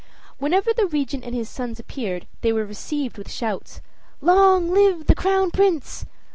Whenever the Regent and his sons appeared, they were received with shouts: "Long live the Crown Prince!"